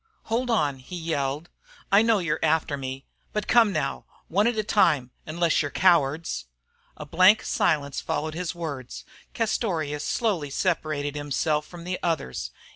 "Hold on!" he yelled. "I know you're after me. But come now, one at a time unless you're cowards!" A blank silence followed his words. Castorious slowly separated himself from the others.